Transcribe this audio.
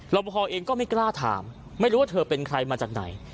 ประพอเองก็ไม่กล้าถามไม่รู้ว่าเธอเป็นใครมาจากไหน